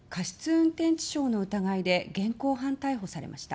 運転致傷の疑いで現行犯逮捕されました。